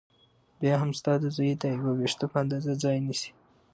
بيا هم ستا د زوى د يوه وېښته په اندازه ځاى نيسي .